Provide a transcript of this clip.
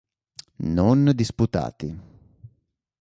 Non disputati.